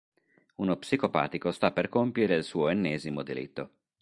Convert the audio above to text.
Uno psicopatico sta per compiere il suo ennesimo delitto.